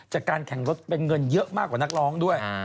จากการแข่งรถเป็นเงินเยอะมากกว่านักร้องด้วย